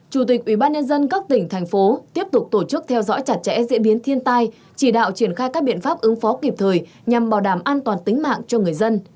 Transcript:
chủ tịch ubnd các tỉnh thành phố tiếp tục tổ chức theo dõi chặt chẽ diễn biến thiên tai chỉ đạo triển khai các biện pháp ứng phó kịp thời nhằm bảo đảm an toàn tính mạng cho người dân